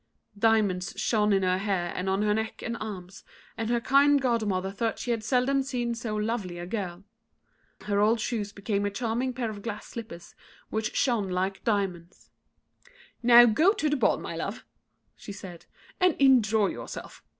Diamonds shone in her hair and on her neck and arms, and her kind godmother thought she had seldom seen so lovely a girl. Her old shoes became a charming pair of glass slippers, which shone like diamonds. "Now go to the ball, my love," she said, "and enjoy yourself.